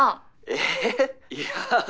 えっ？いや。